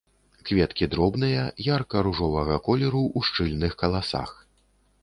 Кветкі дробныя, ярка-ружовага колеру, у шчыльных каласах.